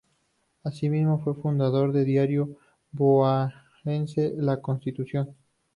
Así mismo, fue fundador del diario bonaerense "La Constitución".